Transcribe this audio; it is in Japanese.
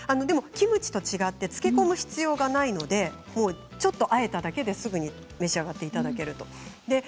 キムチと違って漬け込む必要がないのでちょっとあえただけで召し上がっていただけるんですね。